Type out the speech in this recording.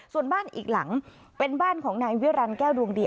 ส่วนบ้านอีกหลังเป็นบ้านของนายวิรันแก้วดวงดี